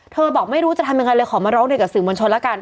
บอกไม่รู้จะทำยังไงเลยขอมาร้องเรียนกับสื่อมวลชนแล้วกัน